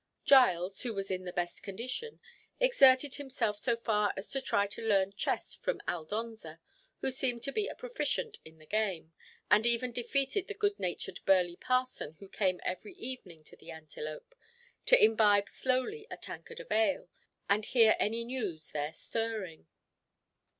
Giles, who was in the best condition, exerted himself so far as to try to learn chess from Aldonza, who seemed to be a proficient in the game, and even defeated the good natured burly parson who came every evening to the Antelope, to imbibe slowly a tankard of ale, and hear any news there stirring.